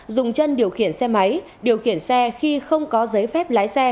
dùng chân điều khiển xe máy điều khiển xe khi không có giấy phép lái xe